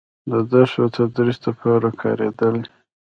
د درس و تدريس دپاره کارېدلې